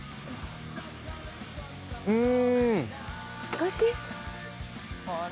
おいしい？